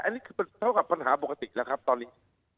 อันนี้คือเท่ากับปัญหาปกติแล้วครับตอนนี้